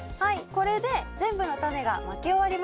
これで全部のタネがまき終わりましたね。